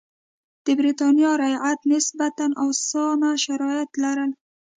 د برېټانیا رعیت نسبتا اسانه شرایط لرل.